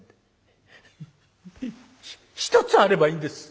「一つあればいいんです！